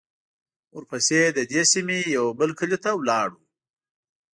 ورپسې د دې سیمې یوه بل کلي ته لاړو.